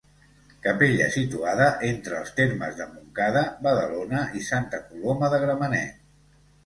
Capella situada entre els termes de Montcada, Badalona i Santa Coloma de Gramenet.